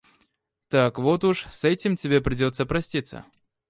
Так вот уж с этим тебе придётся проститься.